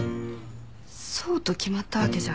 そうと決まったわけじゃ。